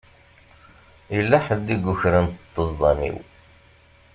Yella ḥedd i yukren ṭṭezḍam-iw.